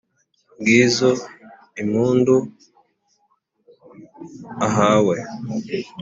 ngizo i mpundu uhawe